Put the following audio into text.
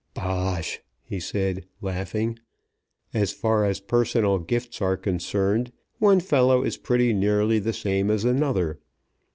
"Bosh," he said, laughing. "As far as personal gifts are concerned, one fellow is pretty nearly the same as another.